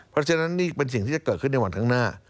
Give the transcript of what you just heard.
เพราะฉะนั้นนี่เป็นสิ่งที่จะเกิดขึ้นในวันข้างหน้า